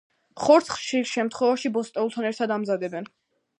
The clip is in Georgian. ხორცს, ხშირ შემთხვევაში, ბოსტნეულთან ერთად ამზადებენ.